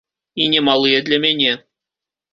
І немалыя для мяне.